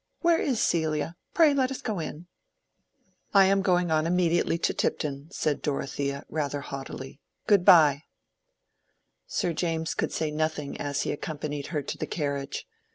Where is Celia? Pray let us go in." "I am going on immediately to Tipton," said Dorothea, rather haughtily. "Good by." Sir James could say nothing as he accompanied her to the carriage.